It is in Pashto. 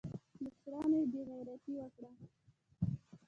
مشرانو یې بېعزتي وکړه.